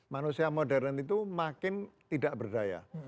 manusia modern itu makin tidak berdaya